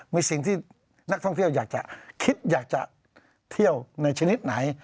มีสิ่งที่นักท่องเที่ยวอยากจะคิดอยากจะเที่ยวในชนิดไหน